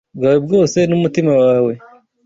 bwawe bwose n’umutima wawe